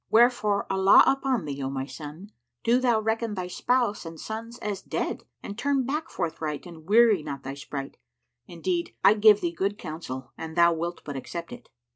Wherefore, Allah upon thee, O my son, do thou reckon thy spouse and sons as dead and turn back forthright and weary not thy sprite! Indeed, I give thee good counsel, an thou wilt but accept it."